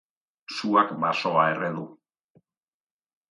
Suak basoa erre du.